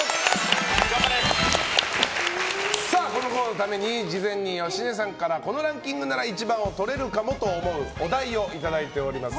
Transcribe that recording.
このコーナーのために事前に芳根さんからこのランキングなら１番をとれるかもと思うお題をいただいております。